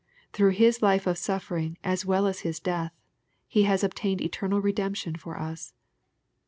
Through His life of suflfering, as well as His death, He has obtained eternal redemption for us.